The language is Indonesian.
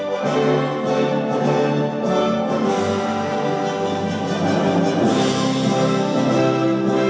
ku lestari dari dua orang